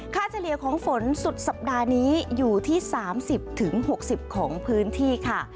เฉลี่ยของฝนสุดสัปดาห์นี้อยู่ที่๓๐๖๐ของพื้นที่ค่ะ